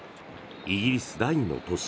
イギリス第２の都市